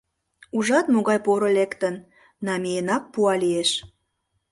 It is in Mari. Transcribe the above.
Ужат, могай поро лектын, намиенак пуа лиеш.